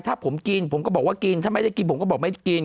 ถ้าผมกินผมก็บอกว่ากินถ้าไม่ได้กินผมก็บอกไม่ได้กิน